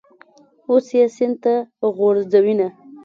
اوس یې سین ته غورځوینه.